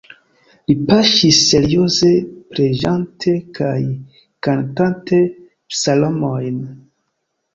Li paŝis serioze preĝante kaj kantante psalmojn.